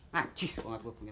nah cus bang mamat gue punya